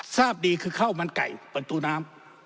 ทราบดีคือข้าวมันไก่ประตูน้ำ